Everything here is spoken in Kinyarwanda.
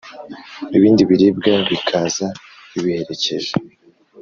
ibindi biribwa bikaza bibiherekeje.